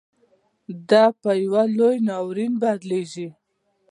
دا پـه يـو لـوى نـاوريـن بـدليږي.